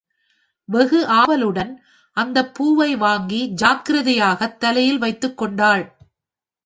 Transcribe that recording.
வெகு ஆவலுடன் அந்தப் பூவை வாங்கி ஜாக்கிரதையாகத் தலையில் வைத்துக்கொண்டாள்.